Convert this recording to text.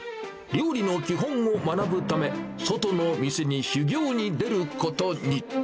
料理の基本を学ぶため、外の店に修業に出ることに。